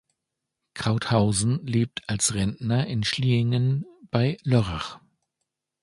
Krauthausen lebt als Rentner in Schliengen bei Lörrach.